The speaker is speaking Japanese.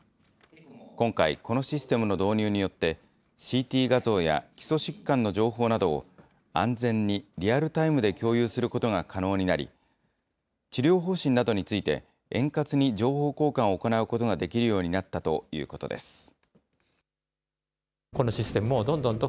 今回、このシステムの導入によって、ＣＴ画像や基礎疾患の情報などを、安全にリアルタイムで共有することが可能になり、治療方針などについて、円滑に情報交換を行うことができるようになったということです。